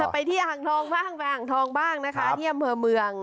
ไปที่ห่างทองบ้างที่อำเมือง